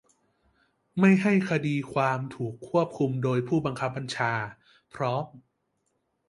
ไม่ให้คดีความถูกควบคุมโดยผู้บังคับบัญชา พร้อม